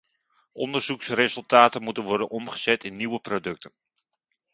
Onderzoeksresultaten moeten worden omgezet in nieuwe producten.